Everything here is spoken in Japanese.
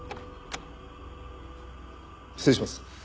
失礼します。